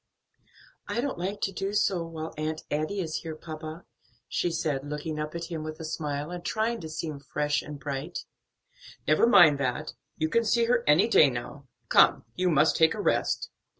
"I don't like to do so while Aunt Adie is here, papa," she said, looking up at him with a smile, and trying to seem fresh and bright. "Never mind that; you can see her any day now. Come, you must take a rest."